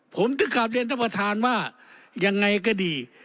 ผมถึงกลับเรียนท่านประธานว่ายังไงก็ดี